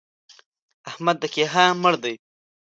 احمد د کيها مړ دی!